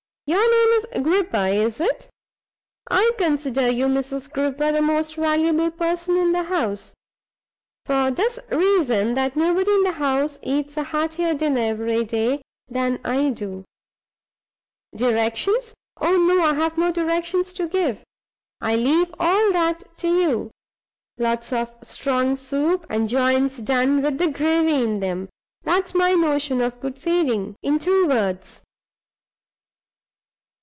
"Your name is Gripper, is it? I consider you, Mrs. Gripper, the most valuable person in the house. For this reason, that nobody in the house eats a heartier dinner every day than I do. Directions? Oh, no; I've no directions to give. I leave all that to you. Lots of strong soup, and joints done with the gravy in them there's my notion of good feeding, in two words.